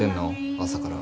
朝から。